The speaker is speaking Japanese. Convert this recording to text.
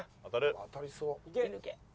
当たりそう。